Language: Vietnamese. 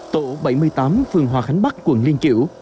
tổ bảy mươi tám phường hòa khánh bắc quận liên triểu